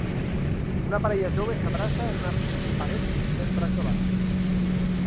Una parella jove s'abraça en una pared enrajolada.